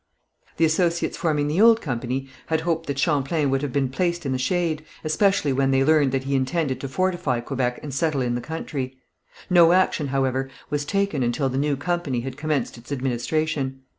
The associates forming the old company had hoped that Champlain would have been placed in the shade, especially when they learned that he intended to fortify Quebec and settle in the country. No action, however, was taken until the new company had commenced its administration.